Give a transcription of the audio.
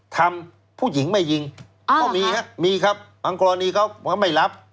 ทำผู้หญิงไม่ยิงก็มีฮะมีครับบางกรณีเขาก็ไม่รับ